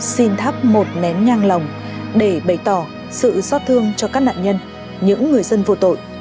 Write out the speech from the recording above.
xin thắp một nén nhang lòng để bày tỏ sự xót thương cho các nạn nhân những người dân vô tội